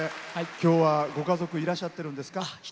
今日はご家族いらっしゃってるんですか。